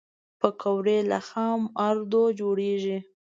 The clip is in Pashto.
پکورې له خام آردو جوړېږي